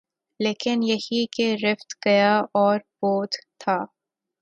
لیکن یہی کہ رفت، گیا اور بود تھا